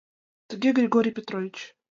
— Тыге, Григорий Петрович...